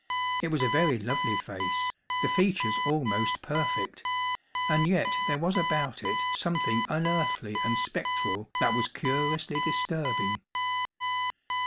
It was a very lovely face, the features almost perfect, and yet there was about it something unearthly and spectral that was curiously disturbing.